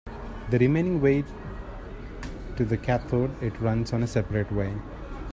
The remaining way to the cathode it runs on a separate way.